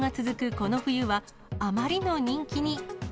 この冬は、あまりの人気に。